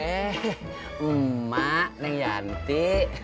eh emak nih yanti